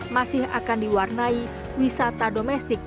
masih akan diwarnai wisata domestik